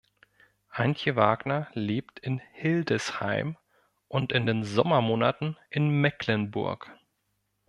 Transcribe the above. Antje Wagner lebt in Hildesheim und in den Sommermonaten in Mecklenburg.